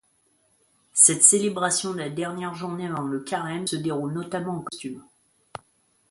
Cette célébration de la dernière journée avant le carême se déroule notamment en costumes.